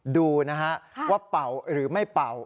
ดูนะฮะว่าเป่าหรือไม่เป่า